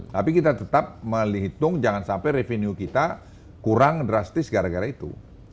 tapi kita tetap menghitung jangan sampai revenue kita kurang drastis gara gara itu